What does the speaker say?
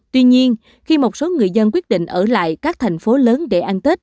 tuy nhiên khi một số người dân quyết định ở lại các thành phố lớn để ăn tết